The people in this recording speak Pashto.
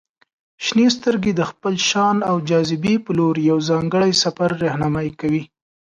• شنې سترګې د خپل شان او جاذبې په لور یو ځانګړی سفر رهنمائي کوي.